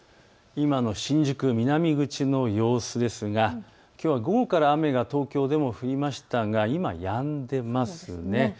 今の新宿南口の様子ですがきょうは午後から雨が東京でも降りましたが今はやんでいますね。